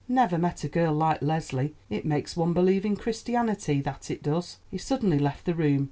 "Never met a girl like Leslie; it makes one believe in Christianity; that it does." He suddenly left the room.